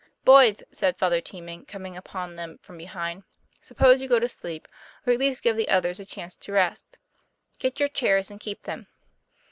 "Boys, "said Father Teeman coming upon them from behind, " suppose you go to sleep, or at least give the others a chance to rest. Get your chairs, and keep them."